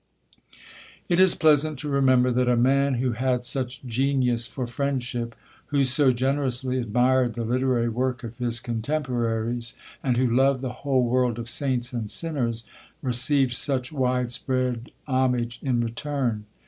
It is pleasant to remember that a man who had such genius for friendship, who so generously admired the literary work of his contemporaries, and who loved the whole world of saints and sinners, received such widespread homage in return.